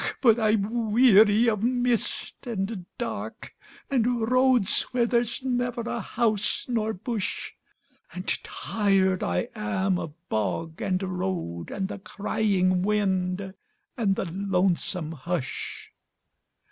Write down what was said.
but I'm weary of mist and dark, And roads where there's never a house nor bush, And tired I am of bog and road, And the crying wind and the lonesome hush!